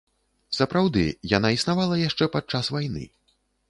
Сапраўды, яна існавала яшчэ падчас вайны.